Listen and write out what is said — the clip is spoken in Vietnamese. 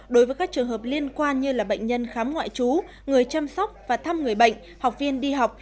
đối với các trường hợp liên quan như là bệnh nhân khám ngoại trú người chăm sóc và thăm người bệnh học viên đi học